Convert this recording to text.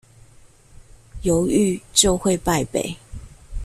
猶豫，就會敗北